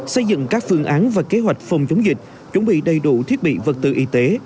xây dựng các phương án và kế hoạch phòng chống dịch chuẩn bị đầy đủ thiết bị vật tư y tế